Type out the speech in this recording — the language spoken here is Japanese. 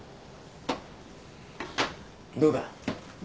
どうだ？